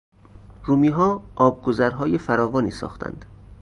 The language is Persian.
رومیها آبگذرهای فراوانی ساختند.